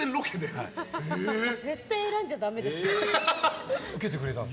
絶対選んじゃダメですよ。